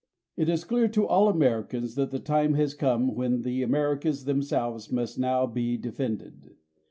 It is clear to all Americans that the time has come when the Americas themselves must now be defended.